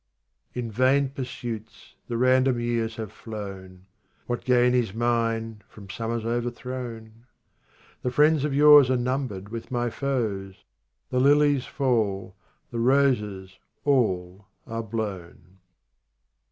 37 In vain pursuits the random years have flown ; What gain is mine from summers overthrown ? The friends of yore are numbered with my foes ; The lilies fall, the roses all are blown.